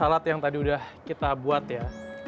coba salad yang tadi udah kita buat ya